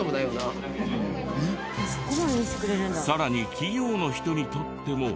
さらに企業の人にとっても。